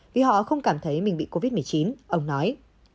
vì họ không cảm thấy mình bị covid một mươi chín ông nói